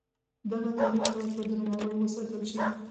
دغه تاریخ باید په درناوي وساتل شي.